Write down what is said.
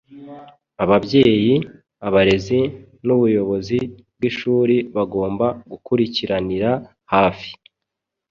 Ababyeyi, abarezi n’ubuyobozi bw’ishuri bagomba gukurikiranira hafi